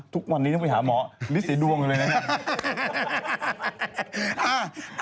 ทุกวันนี้ต้องไปหาหมอฤทธิ์ศรีดวงเลยนะครับ